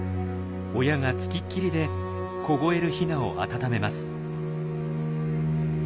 親が付きっきりで凍えるヒナを温めます。